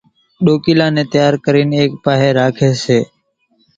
ڏوڪيلان نين تيار ڪرين ايڪ پاھي راکي سي۔